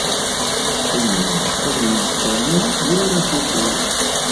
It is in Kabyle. Tessumer-d ad iyi-talel war akukru.